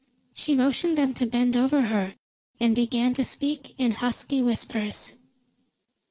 She motioned them, to bend over her, and began to speak in, husky whispers.